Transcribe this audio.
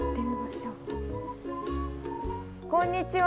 こんにちは！